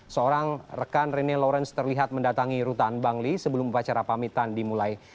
seorang rekan rene lawrence terlihat mendatangi rutan bangli sebelum upacara pamitan dimulai